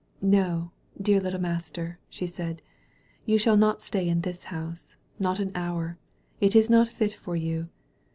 "No, dear little master," she said, "you shall not stay in this house — ^not an hour. It is not fit for you.